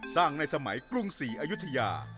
สร้างในสมัยกรุงสี่อายุทยา